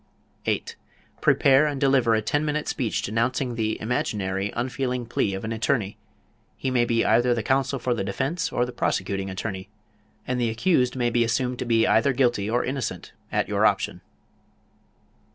8. Prepare and deliver a ten minute speech denouncing the (imaginary) unfeeling plea of an attorney; he may be either the counsel for the defense or the prosecuting attorney, and the accused may be assumed to be either guilty or innocent, at your option.